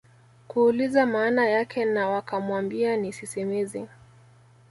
kuuliza maana yake na wakamwambia ni sisimizi